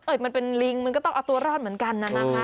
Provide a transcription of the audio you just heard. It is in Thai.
มันเป็นลิงมันก็ต้องเอาตัวรอดเหมือนกันน่ะนะคะ